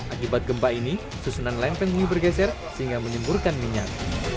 akibat gempa ini susunan lempeng bunyi bergeser sehingga menyemburkan minyak